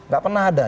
gak pernah ada